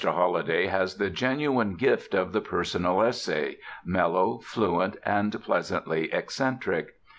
Holliday has the genuine gift of the personal essay, mellow, fluent, and pleasantly eccentric.